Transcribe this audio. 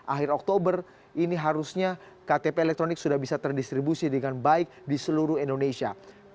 akhir oktober ini harusnya ktp elektronik sudah bisa terdistribusi dengan baik di seluruh indonesia